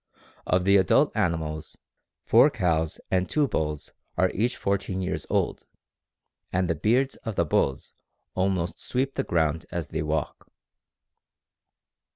Of the adult animals, four cows and two bulls are each fourteen years old, "and the beards of the bulls almost sweep the ground as they walk."